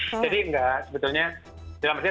jadi tidak sebetulnya